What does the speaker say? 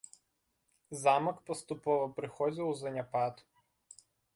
Замак паступова прыходзіў у заняпад.